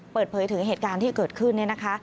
เปิดเผยถึงเหตุการณ์ที่เกิดขึ้นเนี่ยนะคะ